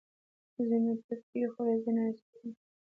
ځينو پيركي خوړل ځينو ايس کريم.